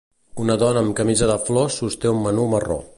Una dona amb camisa de flors sosté un menú marró.